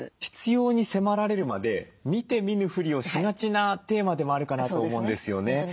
必要に迫られるまで見て見ぬふりをしがちなテーマでもあるかなと思うんですよね。